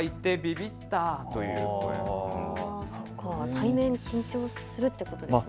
対面、緊張するってことですね。